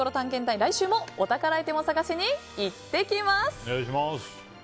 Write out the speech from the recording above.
来週もお宝アイテムを探しに行ってきます！